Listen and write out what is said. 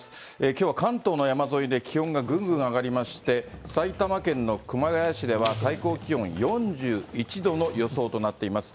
きょうは関東の山沿いで気温がぐんぐん上がりまして、埼玉県の熊谷市では、最高気温４１度の予想となっています。